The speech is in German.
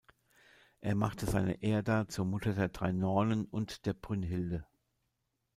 Er machte seine Erda zur Mutter der drei Nornen und der Brünnhilde.